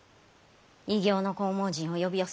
異形の紅毛人を呼び寄せ